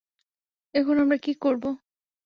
এখন আমরা কী করবো?